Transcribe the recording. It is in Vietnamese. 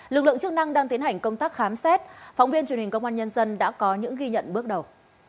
lực lượng chức năng đang tiến hành công tác khám xét phóng viên truyền hình công an nhân dân đã có những ghi nhận bước đầu